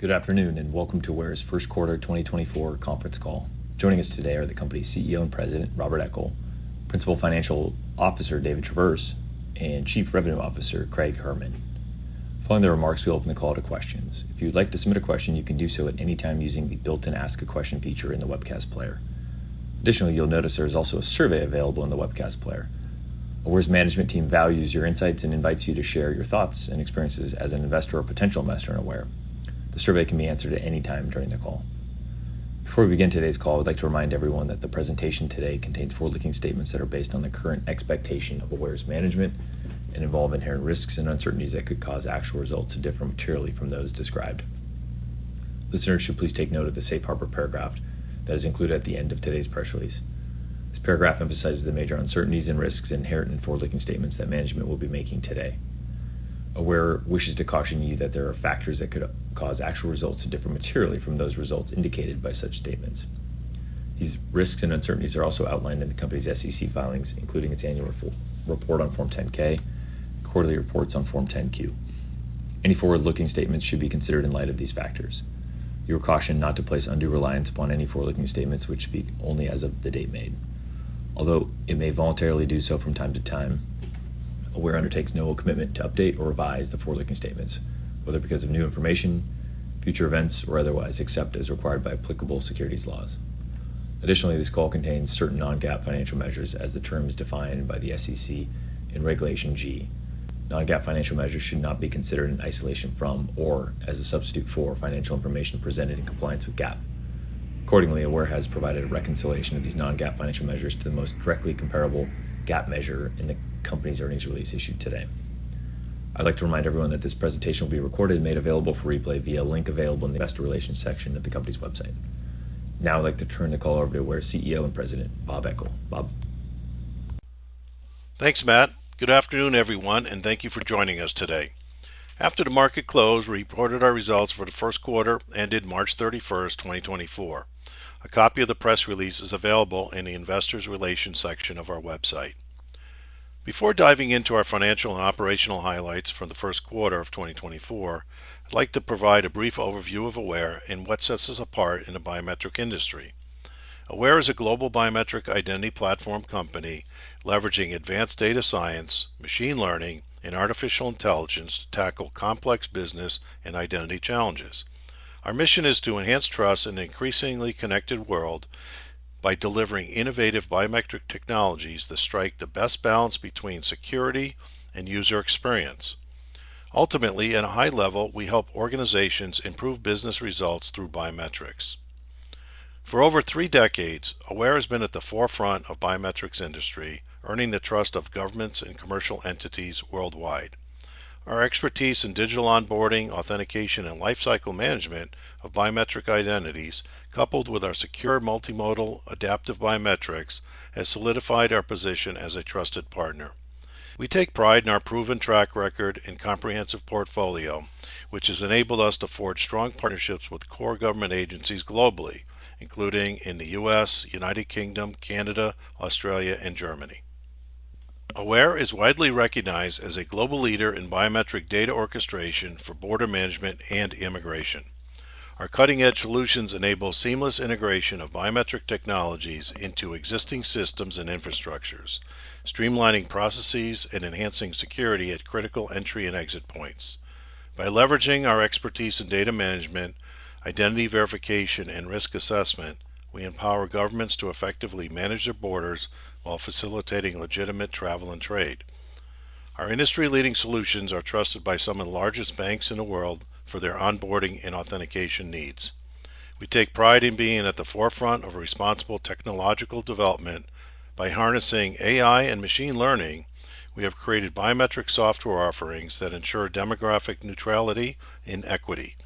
Good afternoon, and welcome to Aware's first quarter 2024 conference call. Joining us today are the company's CEO and President, Robert Eckel, Principal Financial Officer, David Traverse, and Chief Revenue Officer, Craig Herman. Following the remarks, we open the call to questions. If you'd like to submit a question, you can do so at any time using the built-in Ask a Question feature in the webcast player. Additionally, you'll notice there is also a survey available in the webcast player. Aware's management team values your insights and invites you to share your thoughts and experiences as an investor or potential investor in Aware. The survey can be answered at any time during the call. Before we begin today's call, I'd like to remind everyone that the presentation today contains forward-looking statements that are based on the current expectation of Aware's management and involve inherent risks and uncertainties that could cause actual results to differ materially from those described. Listeners should please take note of the safe harbor paragraph that is included at the end of today's press release. This paragraph emphasizes the major uncertainties and risks inherent in forward-looking statements that management will be making today. Aware wishes to caution you that there are factors that could cause actual results to differ materially from those results indicated by such statements. These risks and uncertainties are also outlined in the company's SEC filings, including its annual report on Form 10-K, quarterly reports on Form 10-Q. Any forward-looking statements should be considered in light of these factors. You are cautioned not to place undue reliance upon any forward-looking statements, which speak only as of the date made. Although it may voluntarily do so from time to time, Aware undertakes no commitment to update or revise the forward-looking statements, whether because of new information, future events, or otherwise, except as required by applicable securities laws. Additionally, this call contains certain non-GAAP financial measures, as the term is defined by the SEC in Regulation G. Non-GAAP financial measures should not be considered in isolation from or as a substitute for financial information presented in compliance with GAAP. Accordingly, Aware has provided a reconciliation of these non-GAAP financial measures to the most directly comparable GAAP measure in the company's earnings release issued today. I'd like to remind everyone that this presentation will be recorded and made available for replay via a link available in the Investor Relations section of the company's website. Now I'd like to turn the call over to Aware's CEO and President, Bob Eckel. Bob? Thanks, Matt. Good afternoon, everyone, and thank you for joining us today. After the market closed, we reported our results for the first quarter, ended March 31, 2024. A copy of the press release is available in the Investor Relations section of our website. Before diving into our financial and operational highlights for the first quarter of 2024, I'd like to provide a brief overview of Aware and what sets us apart in the biometric industry. Aware is a global biometric identity platform company leveraging advanced data science, machine learning, and artificial intelligence to tackle complex business and identity challenges. Our mission is to enhance trust in an increasingly connected world by delivering innovative biometric technologies that strike the best balance between security and user experience. Ultimately, at a high level, we help organizations improve business results through biometrics. For over three decades, Aware has been at the forefront of biometrics industry, earning the trust of governments and commercial entities worldwide. Our expertise in digital onboarding, authentication, and lifecycle management of biometric identities, coupled with our secure multimodal adaptive biometrics, has solidified our position as a trusted partner. We take pride in our proven track record and comprehensive portfolio, which has enabled us to forge strong partnerships with core government agencies globally, including in the U.S., United Kingdom, Canada, Australia, and Germany. Aware is widely recognized as a global leader in biometric data orchestration for border management and immigration. Our cutting-edge solutions enable seamless integration of biometric technologies into existing systems and infrastructures, streamlining processes and enhancing security at critical entry and exit points. By leveraging our expertise in data management, identity verification, and risk assessment, we empower governments to effectively manage their borders while facilitating legitimate travel and trade. Our industry-leading solutions are trusted by some of the largest banks in the world for their onboarding and authentication needs. We take pride in being at the forefront of responsible technological development. By harnessing AI and machine learning, we have created biometric software offerings that ensure demographic neutrality and equity,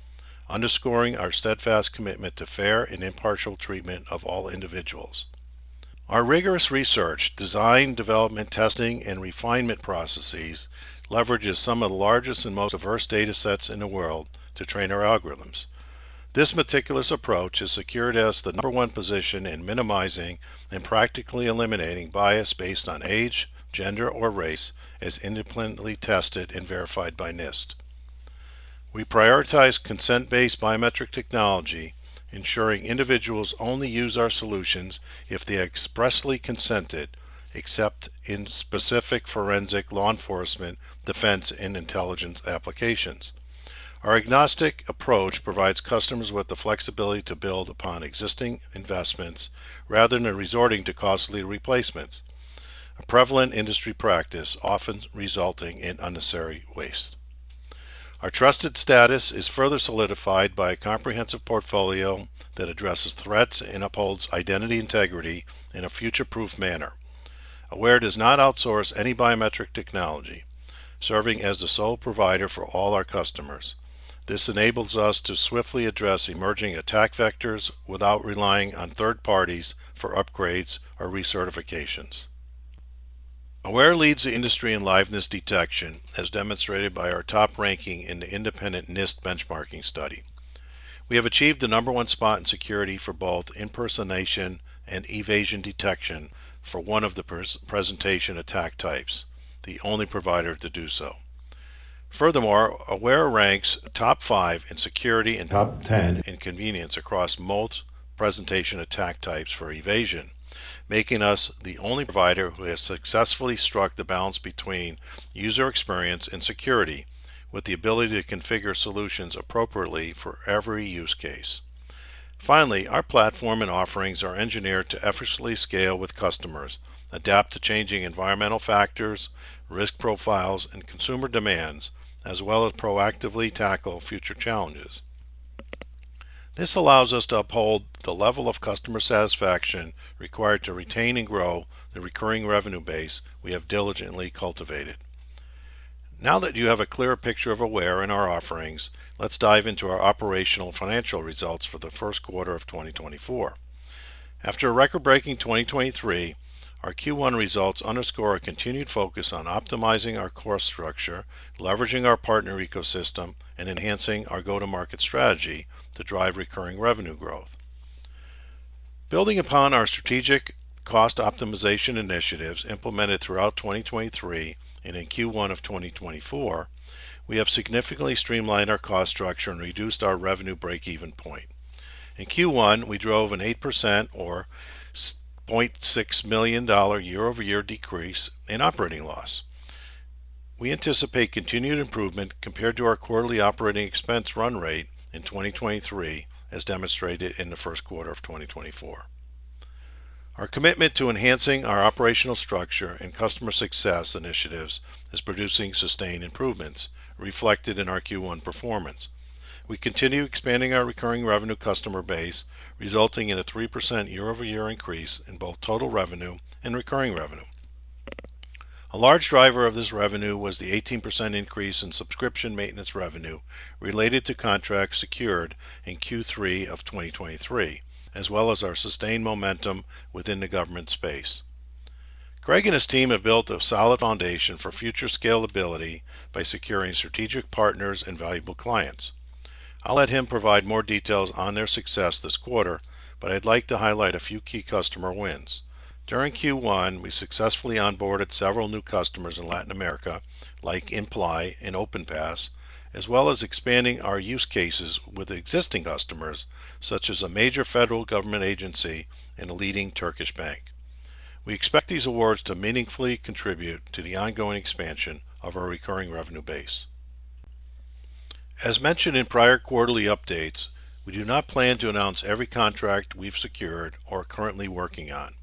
underscoring our steadfast commitment to fair and impartial treatment of all individuals. Our rigorous research, design, development, testing, and refinement processes leverages some of the largest and most diverse datasets in the world to train our algorithms. This meticulous approach has secured us the number one position in minimizing and practically eliminating bias based on age, gender, or race, as independently tested and verified by NIST. We prioritize consent-based biometric technology, ensuring individuals only use our solutions if they expressly consent it, except in specific forensic, law enforcement, defense, and intelligence applications. Our agnostic approach provides customers with the flexibility to build upon existing investments rather than resorting to costly replacements, a prevalent industry practice often resulting in unnecessary waste. Our trusted status is further solidified by a comprehensive portfolio that addresses threats and upholds identity integrity in a future-proof manner. Aware does not outsource any biometric technology, serving as the sole provider for all our customers. This enables us to swiftly address emerging attack vectors without relying on third parties for upgrades or recertifications. Aware leads the industry in liveness detection, as demonstrated by our top ranking in the independent NIST benchmarking study. We have achieved the number one spot in security for both impersonation and evasion detection for one of the presentation attack types. The only provider to do so. Furthermore, Aware ranks top 5 in security and top 10 in convenience across most presentation attack types for evasion, making us the only provider who has successfully struck the balance between user experience and security, with the ability to configure solutions appropriately for every use case. Finally, our platform and offerings are engineered to efficiently scale with customers, adapt to changing environmental factors, risk profiles, and consumer demands, as well as proactively tackle future challenges. This allows us to uphold the level of customer satisfaction required to retain and grow the recurring revenue base we have diligently cultivated. Now that you have a clearer picture of Aware and our offerings, let's dive into our operational financial results for the first quarter of 2024. After a record-breaking 2023, our Q1 results underscore our continued focus on optimizing our core structure, leveraging our partner ecosystem, and enhancing our go-to-market strategy to drive recurring revenue growth. Building upon our strategic cost optimization initiatives implemented throughout 2023 and in Q1 of 2024, we have significantly streamlined our cost structure and reduced our revenue break-even point. In Q1, we drove an 8% or $0.6 million year-over-year decrease in operating loss. We anticipate continued improvement compared to our quarterly operating expense run rate in 2023, as demonstrated in the first quarter of 2024. Our commitment to enhancing our operational structure and customer success initiatives is producing sustained improvements reflected in our Q1 performance. We continue expanding our recurring revenue customer base, resulting in a 3% year-over-year increase in both total revenue and recurring revenue. A large driver of this revenue was the 18% increase in subscription maintenance revenue related to contracts secured in Q3 of 2023, as well as our sustained momentum within the government space. Craig and his team have built a solid foundation for future scalability by securing strategic partners and valuable clients. I'll let him provide more details on their success this quarter, but I'd like to highlight a few key customer wins. During Q1, we successfully onboarded several new customers in Latin America, like Imply and OpenPass, as well as expanding our use cases with existing customers, such as a major federal government agency and a leading Turkish bank. We expect these awards to meaningfully contribute to the ongoing expansion of our recurring revenue base. As mentioned in prior quarterly updates, we do not plan to announce every contract we've secured or are currently working on.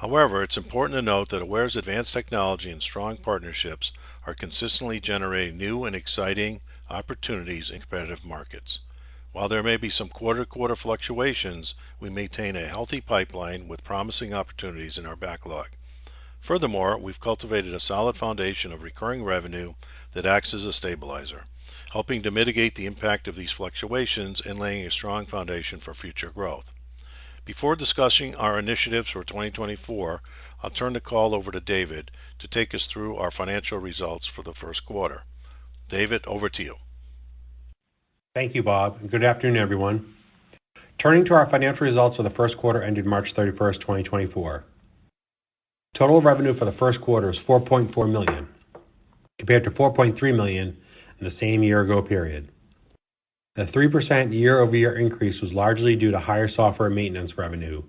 However, it's important to note that Aware's advanced technology and strong partnerships are consistently generating new and exciting opportunities in competitive markets. While there may be some quarter-to-quarter fluctuations, we maintain a healthy pipeline with promising opportunities in our backlog. Furthermore, we've cultivated a solid foundation of recurring revenue that acts as a stabilizer, helping to mitigate the impact of these fluctuations and laying a strong foundation for future growth. Before discussing our initiatives for 2024, I'll turn the call over to David to take us through our financial results for the first quarter. David, over to you. Thank you, Bob, and good afternoon, everyone. Turning to our financial results for the first quarter ended March 31, 2024. Total revenue for the first quarter is $4.4 million, compared to $4.3 million in the same year ago period. The 3% year-over-year increase was largely due to higher software maintenance revenue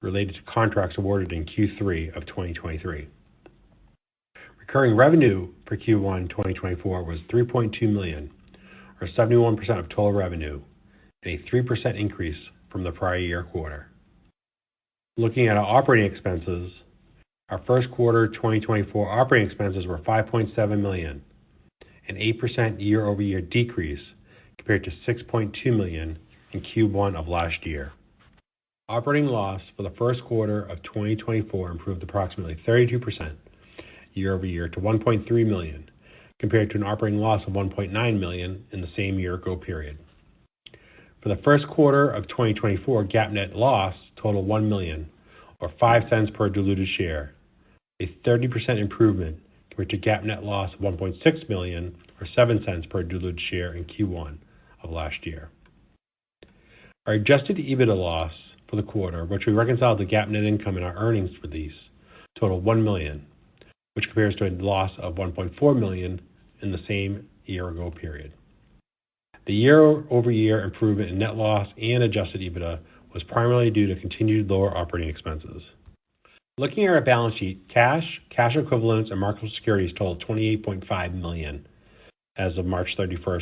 related to contracts awarded in Q3 of 2023. Recurring revenue for Q1 2024 was $3.2 million, or 71% of total revenue, a 3% increase from the prior year quarter. Looking at our operating expenses, our first quarter 2024 operating expenses were $5.7 million, an 8% year-over-year decrease compared to $6.2 million in Q1 of last year. Operating loss for the first quarter of 2024 improved approximately 32% year-over-year to $1.3 million, compared to an operating loss of $1.9 million in the same year ago period. For the first quarter of 2024, GAAP net loss totaled $1 million or $0.05 per diluted share, a 30% improvement compared to GAAP net loss of $1.6 million or $0.07 per diluted share in Q1 of last year. Our adjusted EBITDA loss for the quarter, which we reconcile the GAAP net income in our earnings release, totaled $1 million, which compares to a loss of $1.4 million in the same year ago period. The year-over-year improvement in net loss and adjusted EBITDA was primarily due to continued lower operating expenses. Looking at our balance sheet, cash, cash equivalents, and marketable securities totaled $28.5 million as of March 31,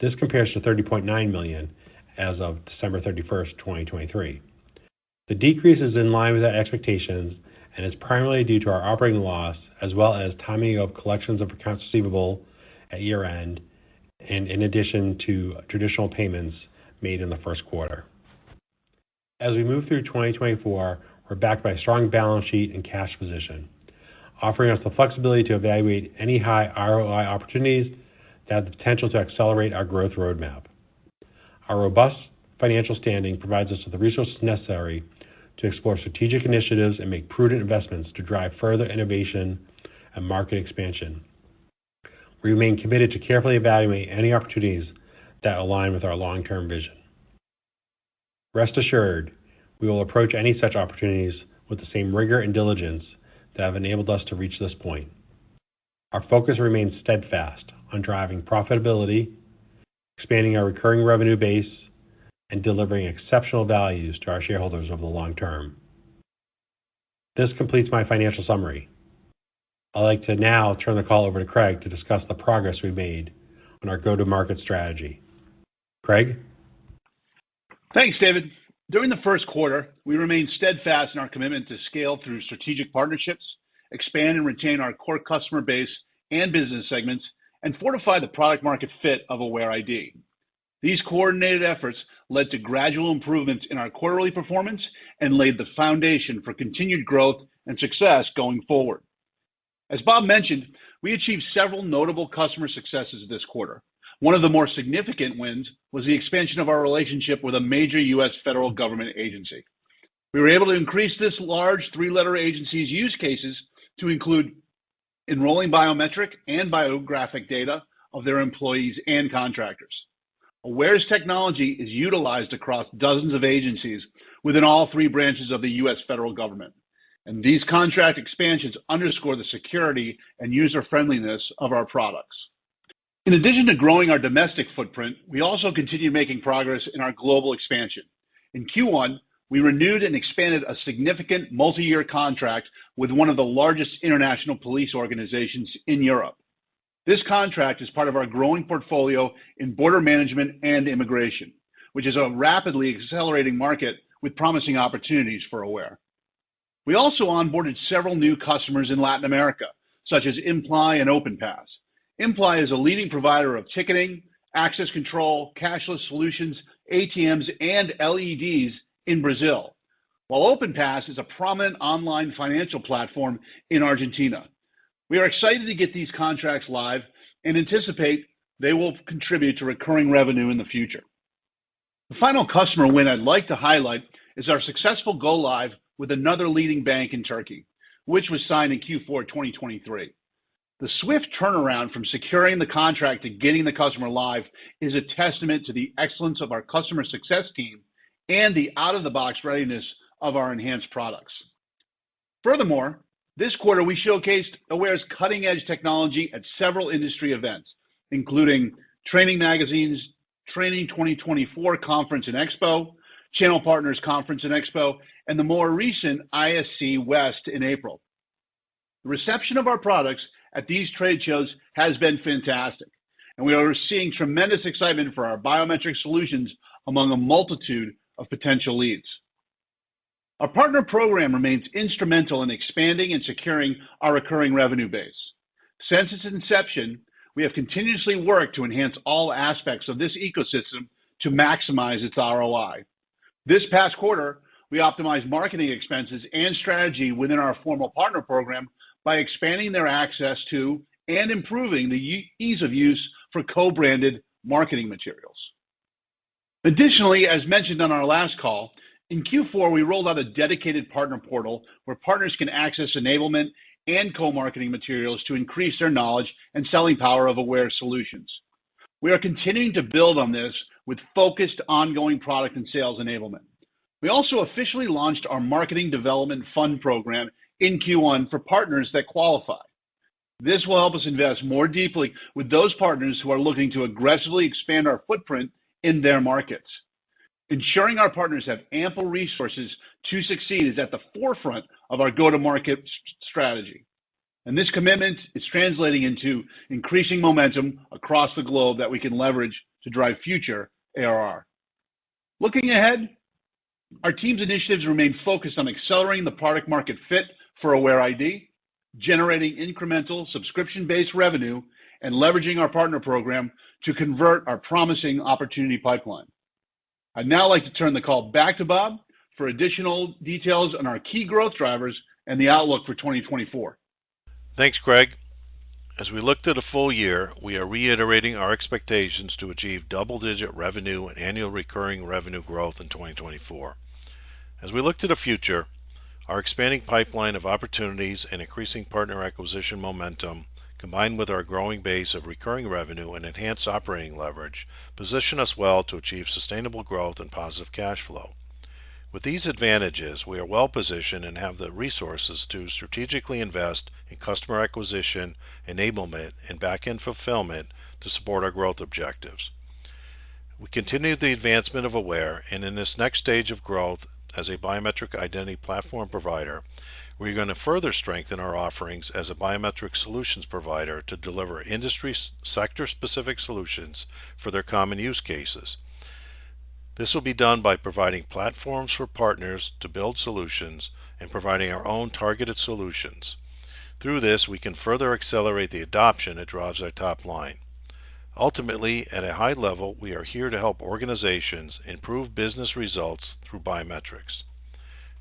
2024. This compares to $30.9 million as of December 31, 2023. The decrease is in line with our expectations and is primarily due to our operating loss, as well as timing of collections of accounts receivable at year-end, and in addition to traditional payments made in the first quarter. As we move through 2024, we're backed by a strong balance sheet and cash position, offering us the flexibility to evaluate any high ROI opportunities that have the potential to accelerate our growth roadmap. Our robust financial standing provides us with the resources necessary to explore strategic initiatives and make prudent investments to drive further innovation and market expansion. We remain committed to carefully evaluating any opportunities that align with our long-term vision. Rest assured, we will approach any such opportunities with the same rigor and diligence that have enabled us to reach this point. Our focus remains steadfast on driving profitability, expanding our recurring revenue base, and delivering exceptional values to our shareholders over the long term. This completes my financial summary. I'd like to now turn the call over to Craig to discuss the progress we made on our go-to-market strategy. Craig? Thanks, David. During the first quarter, we remained steadfast in our commitment to scale through strategic partnerships, expand and retain our core customer base and business segments, and fortify the product market fit of AwareID. These coordinated efforts led to gradual improvements in our quarterly performance and laid the foundation for continued growth and success going forward. As Bob mentioned, we achieved several notable customer successes this quarter. One of the more significant wins was the expansion of our relationship with a major U.S. federal government agency. We were able to increase this large three-letter agency's use cases to include enrolling biometric and biographic data of their employees and contractors. Aware's technology is utilized across dozens of agencies within all three branches of the U.S. federal government, and these contract expansions underscore the security and user-friendliness of our products. In addition to growing our domestic footprint, we also continue making progress in our global expansion. In Q1, we renewed and expanded a significant multi-year contract with one of the largest international police organizations in Europe. This contract is part of our growing portfolio in border management and immigration, which is a rapidly accelerating market with promising opportunities for Aware. We also onboarded several new customers in Latin America, such as Imply and OpenPass. Imply is a leading provider of ticketing, access control, cashless solutions, ATMs, and LEDs in Brazil, while OpenPass is a prominent online financial platform in Argentina. We are excited to get these contracts live and anticipate they will contribute to recurring revenue in the future. The final customer win I'd like to highlight is our successful go live with another leading bank in Turkey, which was signed in Q4 of 2023. The swift turnaround from securing the contract to getting the customer live is a testament to the excellence of our customer success team and the out-of-the-box readiness of our enhanced products. Furthermore, this quarter, we showcased Aware's cutting-edge technology at several industry events, including Training Magazine's Training 2024 Conference and Expo, Channel Partners Conference and Expo, and the more recent ISC West in April. The reception of our products at these trade shows has been fantastic, and we are seeing tremendous excitement for our biometric solutions among a multitude of potential leads. Our partner program remains instrumental in expanding and securing our recurring revenue base. Since its inception, we have continuously worked to enhance all aspects of this ecosystem to maximize its ROI. This past quarter, we optimized marketing expenses and strategy within our formal partner program by expanding their access to and improving the ease of use for co-branded marketing materials. Additionally, as mentioned on our last call, in Q4, we rolled out a dedicated partner portal where partners can access enablement and co-marketing materials to increase their knowledge and selling power of Aware solutions. We are continuing to build on this with focused, ongoing product and sales enablement. We also officially launched our marketing development fund program in Q1 for partners that qualify. This will help us invest more deeply with those partners who are looking to aggressively expand our footprint in their markets. Ensuring our partners have ample resources to succeed is at the forefront of our go-to-market strategy, and this commitment is translating into increasing momentum across the globe that we can leverage to drive future ARR. Looking ahead, our team's initiatives remain focused on accelerating the product market fit for AwareID, generating incremental subscription-based revenue, and leveraging our partner program to convert our promising opportunity pipeline. I'd now like to turn the call back to Bob for additional details on our key growth drivers and the outlook for 2024. Thanks, Craig. As we look to the full year, we are reiterating our expectations to achieve double-digit revenue and annual recurring revenue growth in 2024. As we look to the future, our expanding pipeline of opportunities and increasing partner acquisition momentum, combined with our growing base of recurring revenue and enhanced operating leverage, position us well to achieve sustainable growth and positive cash flow. With these advantages, we are well positioned and have the resources to strategically invest in customer acquisition, enablement, and back-end fulfillment to support our growth objectives. We continue the advancement of Aware, and in this next stage of growth as a biometric identity platform provider, we're going to further strengthen our offerings as a biometric solutions provider to deliver industry sector-specific solutions for their common use cases. This will be done by providing platforms for partners to build solutions and providing our own targeted solutions. Through this, we can further accelerate the adoption that drives our top line. Ultimately, at a high level, we are here to help organizations improve business results through biometrics.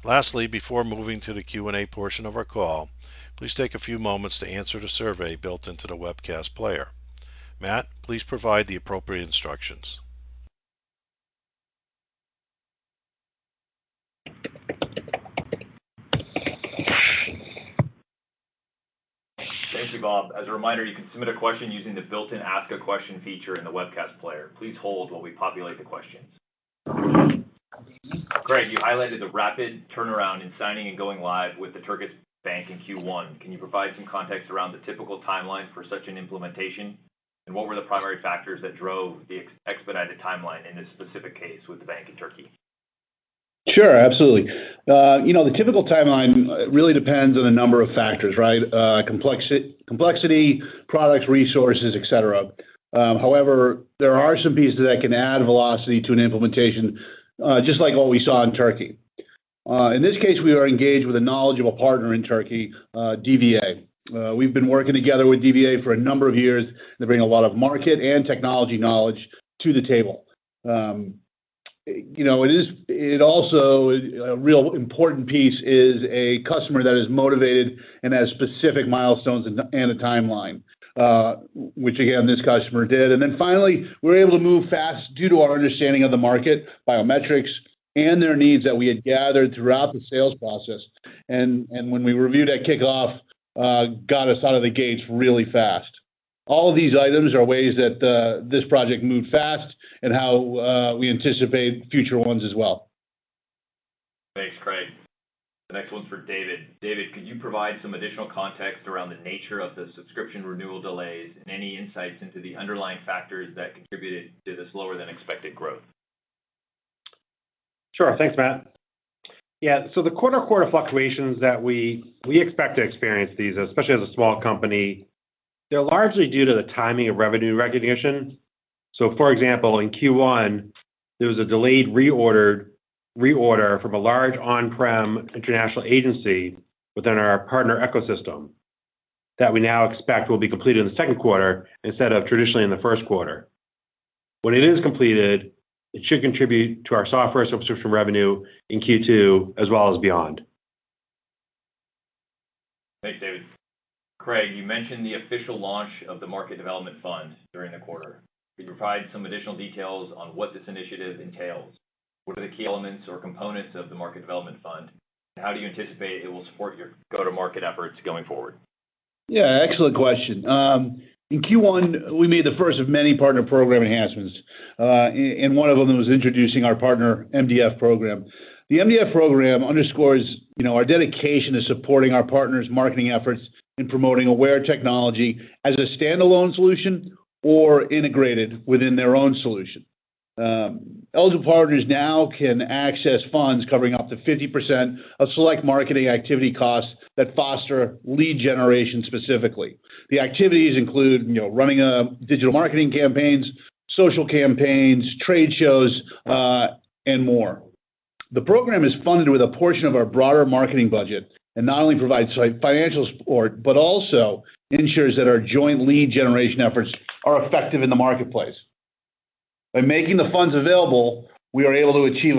Lastly, before moving to the Q&A portion of our call, please take a few moments to answer the survey built into the webcast player. Matt, please provide the appropriate instructions. Thanks, Bob. As a reminder, you can submit a question using the built-in Ask a Question feature in the webcast player. Please hold while we populate the questions. Craig, you highlighted the rapid turnaround in signing and going live with the Turkish bank in Q1. Can you provide some context around the typical timeline for such an implementation? And what were the primary factors that drove the expedited timeline in this specific case with the bank in Turkey? Sure, absolutely. You know, the typical timeline really depends on a number of factors, right? Complexity, products, resources, et cetera. However, there are some pieces that can add velocity to an implementation, just like what we saw in Turkey. In this case, we were engaged with a knowledgeable partner in Turkey, DVA. We've been working together with DVA for a number of years. They bring a lot of market and technology knowledge to the table. You know, it also, a real important piece is a customer that is motivated and has specific milestones and a timeline, which again, this customer did. And then finally, we were able to move fast due to our understanding of the market, biometrics, and their needs that we had gathered throughout the sales process. When we reviewed that kickoff, got us out of the gates really fast. All of these items are ways that this project moved fast and how we anticipate future ones as well. Thanks, Craig. The next one's for David. David, could you provide some additional context around the nature of the subscription renewal delays and any insights into the underlying factors that contributed to this lower than expected growth? Sure. Thanks, Matt. Yeah, so the quarter-to-quarter fluctuations that we expect to experience these, especially as a small company, they're largely due to the timing of revenue recognition. So for example, in Q1, there was a delayed reorder from a large on-prem international agency within our partner ecosystem, that we now expect will be completed in the second quarter instead of traditionally in the first quarter. When it is completed, it should contribute to our software subscription revenue in Q2 as well as beyond. Thanks, David. Craig, you mentioned the official launch of the market development fund during the quarter. Could you provide some additional details on what this initiative entails? What are the key elements or components of the market development fund, and how do you anticipate it will support your go-to-market efforts going forward? Yeah, excellent question. In Q1, we made the first of many partner program enhancements, and one of them was introducing our partner MDF program. The MDF program underscores, you know, our dedication to supporting our partners' marketing efforts in promoting Aware technology as a standalone solution or integrated within their own solution. Eligible partners now can access funds covering up to 50% of select marketing activity costs that foster lead generation, specifically. The activities include, you know, running digital marketing campaigns, social campaigns, trade shows, and more. The program is funded with a portion of our broader marketing budget, and not only provides, like, financial support, but also ensures that our joint lead generation efforts are effective in the marketplace. By making the funds available, we are able to achieve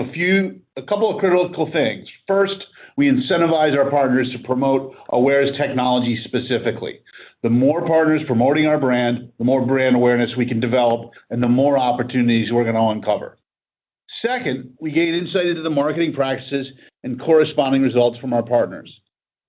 a couple of critical things. First, we incentivize our partners to promote Aware's technology specifically. The more partners promoting our brand, the more brand awareness we can develop and the more opportunities we're gonna uncover. Second, we gain insight into the marketing practices and corresponding results from our partners.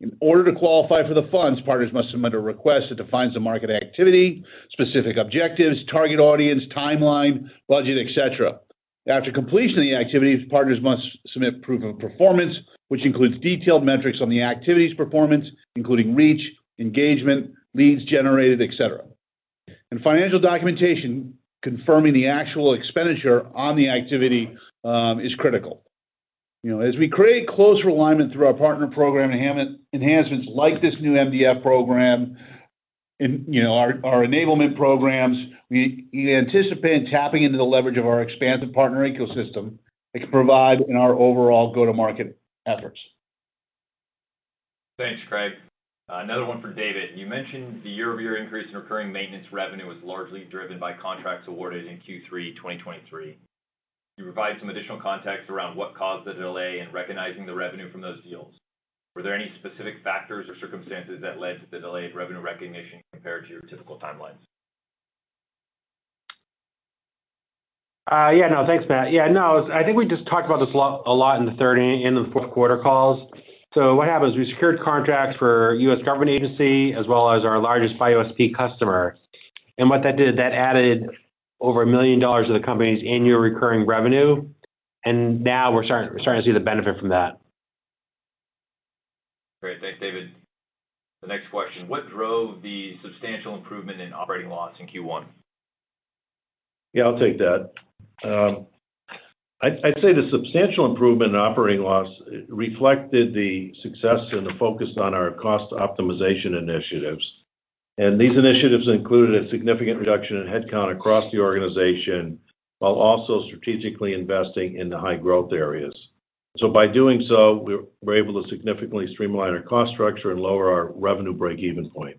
In order to qualify for the funds, partners must submit a request that defines the market activity, specific objectives, target audience, timeline, budget, et cetera. After completion of the activities, partners must submit proof of performance, which includes detailed metrics on the activity's performance, including reach, engagement, leads generated, et cetera. Financial documentation confirming the actual expenditure on the activity is critical. You know, as we create closer alignment through our partner program enhancements like this new MDF program, and, you know, our enablement programs, we anticipate tapping into the leverage of our expansive partner ecosystem that can provide in our overall go-to-market efforts. Thanks, Craig. Another one for David. You mentioned the year-over-year increase in recurring maintenance revenue was largely driven by contracts awarded in Q3 2023. Can you provide some additional context around what caused the delay in recognizing the revenue from those deals? Were there any specific factors or circumstances that led to the delayed revenue recognition compared to your typical timelines? Yeah, no, thanks, Matt. Yeah, no, I think we just talked about this a lot, a lot in the third and in the fourth quarter calls. So what happened was we secured contracts for U.S. government agency as well as our largest FiOS customer. And what that did added over $1 million to the company's annual recurring revenue, and now we're starting to see the benefit from that. Great. Thanks, David. The next question: What drove the substantial improvement in operating loss in Q1? Yeah, I'll take that. I'd say the substantial improvement in operating loss reflected the success and the focus on our cost optimization initiatives. These initiatives included a significant reduction in headcount across the organization, while also strategically investing in the high-growth areas. By doing so, we're able to significantly streamline our cost structure and lower our revenue break-even point.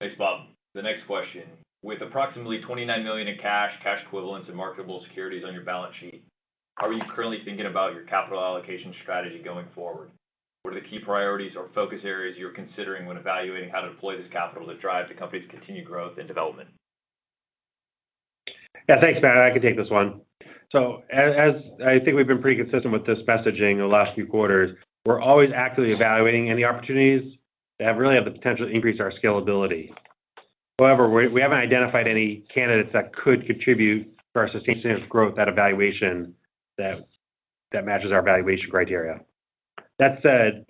Thanks, Bob. The next question: With approximately $29 million in cash, cash equivalents, and marketable securities on your balance sheet, how are you currently thinking about your capital allocation strategy going forward? What are the key priorities or focus areas you're considering when evaluating how to deploy this capital that drives the company's continued growth and development? Yeah, thanks, Matt. I can take this one. So as I think we've been pretty consistent with this messaging in the last few quarters, we're always actively evaluating any opportunities that really have the potential to increase our scalability. However, we haven't identified any candidates that could contribute to our sustainable growth that matches our evaluation criteria. That said,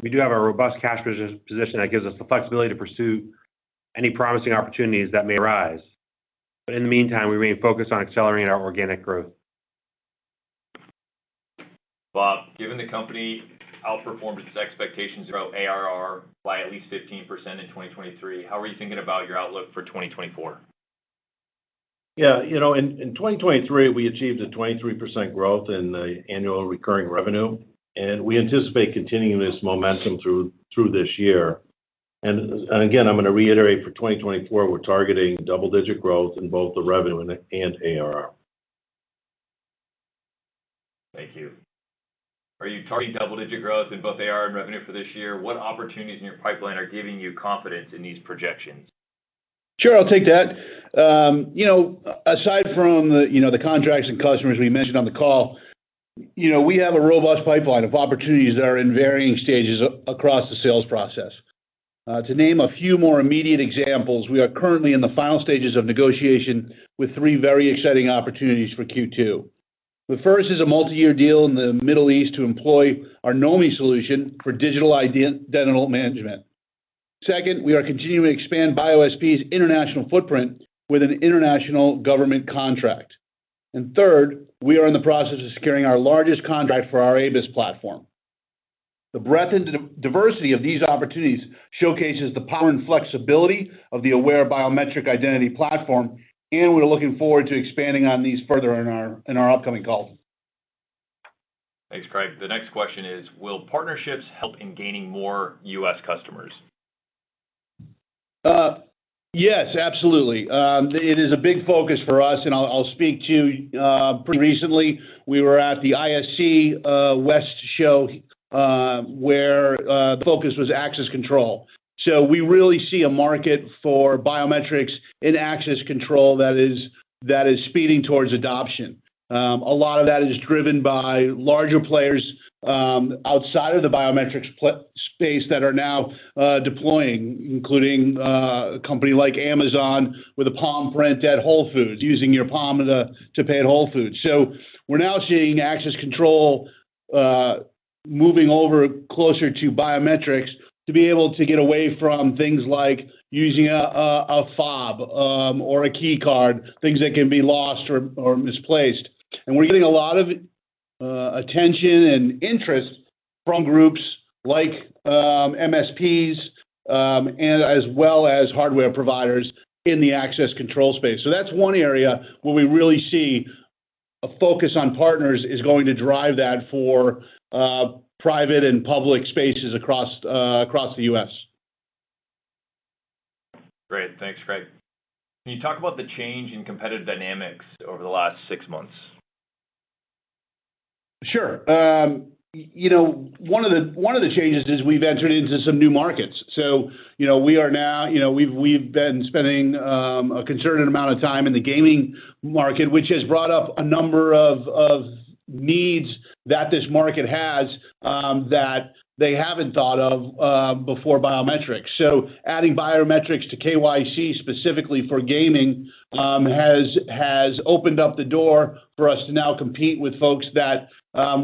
we do have a robust cash position that gives us the flexibility to pursue any promising opportunities that may arise. But in the meantime, we remain focused on accelerating our organic growth. Bob, given the company outperformed its expectations about ARR by at least 15% in 2023, how are you thinking about your outlook for 2024? Yeah. You know, in 2023, we achieved a 23% growth in the annual recurring revenue, and we anticipate continuing this momentum through this year. And again, I'm going to reiterate, for 2024, we're targeting double-digit growth in both the revenue and ARR. Thank you. Are you targeting double-digit growth in both ARR and revenue for this year? What opportunities in your pipeline are giving you confidence in these projections? Sure, I'll take that. You know, aside from the, you know, the contracts and customers we mentioned on the call, you know, we have a robust pipeline of opportunities that are in varying stages across the sales process. To name a few more immediate examples, we are currently in the final stages of negotiation with three very exciting opportunities for Q2. The first is a multi-year deal in the Middle East to employ our Knomi solution for digital identity management. Second, we are continuing to expand BioSP's international footprint with an international government contract. And third, we are in the process of securing our largest contract for our ABIS platform. The breadth and diversity of these opportunities showcases the power and flexibility of the Aware biometric identity platform, and we're looking forward to expanding on these further in our upcoming calls. Thanks, Craig. The next question is: Will partnerships help in gaining more U.S. customers? Yes, absolutely. It is a big focus for us, and I'll speak to pretty recently, we were at the ISC West show, where focus was access control. So we really see a market for biometrics in access control that is speeding towards adoption. A lot of that is driven by larger players outside of the biometrics space that are now deploying, including a company like Amazon with a palm print at Whole Foods, using your palm to pay at Whole Foods. So we're now seeing access control moving over closer to biometrics to be able to get away from things like using a fob or a key card, things that can be lost or misplaced. We're getting a lot of attention and interest from groups like MSPs, and as well as hardware providers in the access control space. So that's one area where we really see a focus on partners is going to drive that for private and public spaces across the U.S. Great. Thanks, Craig. Can you talk about the change in competitive dynamics over the last six months? Sure. You know, one of the, one of the changes is we've entered into some new markets. So, you know, we are now, you know, we've, we've been spending a considerable amount of time in the gaming market, which has brought up a number of, of needs that this market has that they haven't thought of before biometrics. So adding biometrics to KYC, specifically for gaming, has, has opened up the door for us to now compete with folks that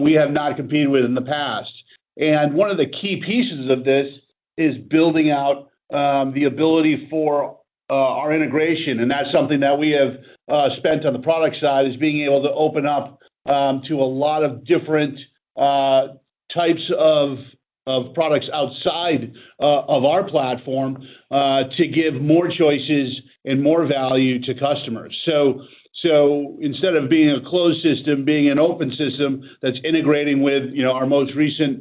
we have not competed with in the past. One of the key pieces of this is building out the ability for our integration, and that's something that we have spent on the product side, is being able to open up to a lot of different types of products outside of our platform to give more choices and more value to customers. So instead of being a closed system, being an open system that's integrating with... You know, our most recent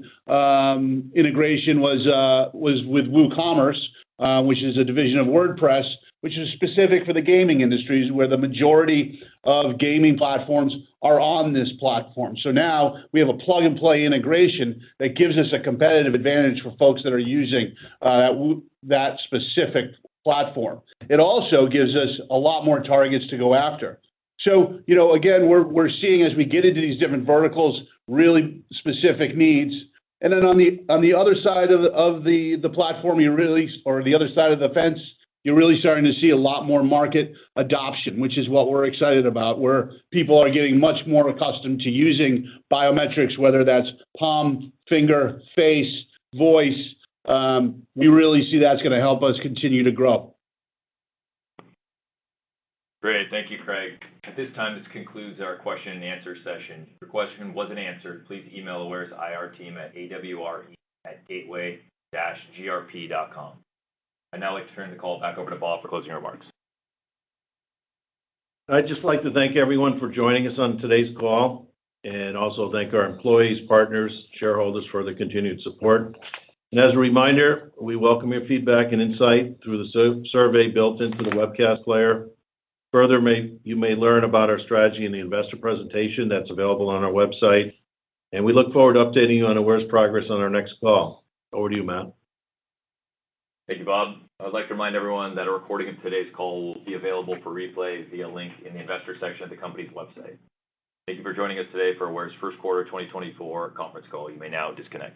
integration was with WooCommerce, which is a division of WordPress, which is specific for the gaming industries, where the majority of gaming platforms are on this platform. So now we have a plug-and-play integration that gives us a competitive advantage for folks that are using that specific platform. It also gives us a lot more targets to go after. So, you know, again, we're seeing as we get into these different verticals, really specific needs. And then on the other side of the platform, you're really—or the other side of the fence, you're really starting to see a lot more market adoption, which is what we're excited about, where people are getting much more accustomed to using biometrics, whether that's palm, finger, face, voice. We really see that's going to help us continue to grow. Great. Thank you, Craig. At this time, this concludes our question and answer session. If your question wasn't answered, please email Aware's IR team at awre@gateway-grp.com. I'd now like to turn the call back over to Bob for closing remarks. I'd just like to thank everyone for joining us on today's call, and also thank our employees, partners, shareholders for their continued support. As a reminder, we welcome your feedback and insight through the survey built into the webcast player. Further, you may learn about our strategy in the investor presentation that's available on our website, and we look forward to updating you on Aware's progress on our next call. Over to you, Matt. Thank you, Bob. I'd like to remind everyone that a recording of today's call will be available for replay via link in the Investor section of the company's website. Thank you for joining us today for Aware's first quarter of 2024 conference call. You may now disconnect.